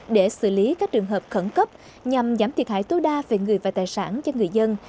để xử lý các trường hợp khẩn cấp nhằm giảm thiệt hại tối đa về người và tài sản cho người dân